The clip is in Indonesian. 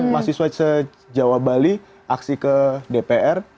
mahasiswa sejauh bali aksi ke dpr